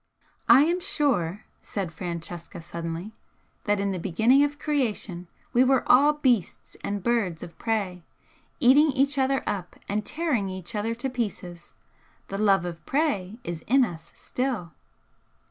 "I am sure," said Francesca, suddenly "that in the beginning of creation we were all beasts and birds of prey, eating each other up and tearing each other to pieces. The love of prey is in us still."